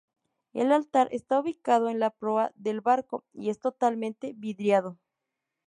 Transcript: El altar está ubicado en la proa del barco, y es totalmente vidriado.